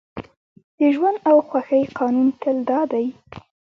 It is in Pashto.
د ژوند او خوښۍ قانون تل دا دی